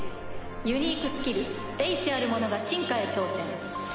ユニークスキル大賢者が進化へ挑戦。